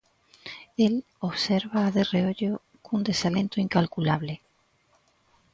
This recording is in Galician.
Él obsérvaa de reollo, cun desalento incalculable.